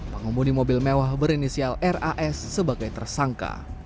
pengemudi mobil mewah berinisial ras sebagai tersangka